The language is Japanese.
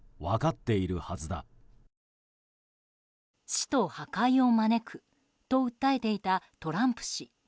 死と破壊を招くと訴えていたトランプ氏。